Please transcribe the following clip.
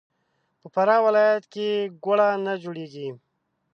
په فراه ولایت کې ګوړه نه جوړیږي.